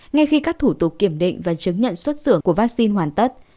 ngay khi các thủ tục kiểm định và chứng nhận xuất xưởng của vaccine hoàn tất